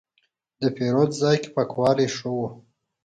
د پیرود ځای کې پاکوالی ښه و.